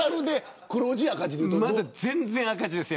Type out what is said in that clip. まだ全然赤字です。